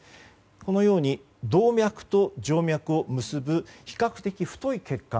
このように動脈と静脈を結ぶ比較的太い血管